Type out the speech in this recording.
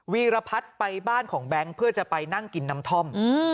วีรพัฒน์ไปบ้านของแบงค์เพื่อจะไปนั่งกินน้ำท่อม